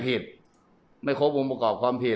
ตอนนี้ก็ไม่มีอัศวินทรีย์